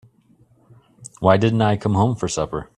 Why didn't I come home for supper?